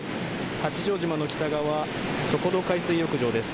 八丈島の北側、底土海水浴場です。